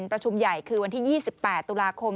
ประชุมใหญ่คือวันที่๒๘ตุลาคม